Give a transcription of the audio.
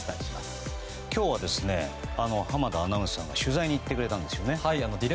今週は濱田アナウンサーが取材に行ってくれたんですよね。